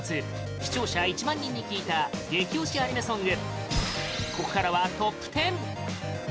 視聴者１万人に聞いた激推しアニメソング